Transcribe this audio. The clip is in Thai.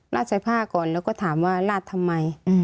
ดใส่ผ้าก่อนแล้วก็ถามว่าลาดทำไม